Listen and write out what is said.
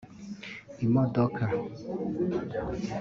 imodoka